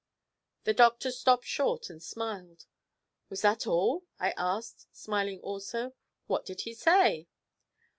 "' The doctor stopped short and smiled. 'Was that all?' I asked, smiling also. 'What did he say?'